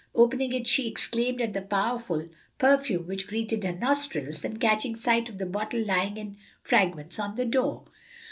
Opening it she exclaimed at the powerful perfume which greeted her nostrils, then catching sight of the bottle lying in fragments on the floor.